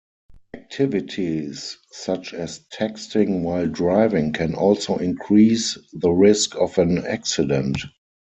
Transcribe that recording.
Activities such as texting while driving can also increase the risk of an accident.